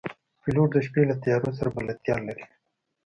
پیلوټ د شپې له تیارو سره بلدتیا لري.